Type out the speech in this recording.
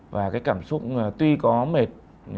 và cái cảm xúc tuy có mệt